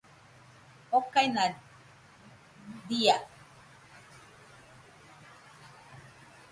okaina dia